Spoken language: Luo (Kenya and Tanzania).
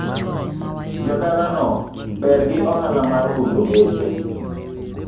Jodala no ber gi oala mar uso geche